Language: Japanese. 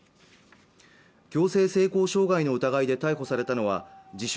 強制性交傷害の疑いで逮捕されたのは自称